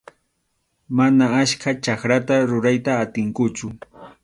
Mana achka chakrata rurayta atinkuchu.